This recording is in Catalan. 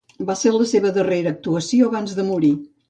Va ser la seva darrera actuació abans de morir.